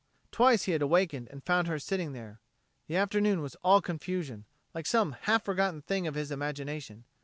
Twice he had awakened and found her sitting there. The afternoon was all confusion, like some half forgotten thing of his imagination.